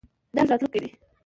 دا زموږ راتلونکی دی.